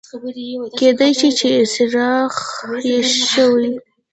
کېدای شي چې خرڅ شوي وي